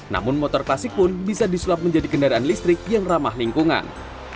namun motor klasik pun bisa disulap menjadi kendaraan listrik yang ramah lingkungan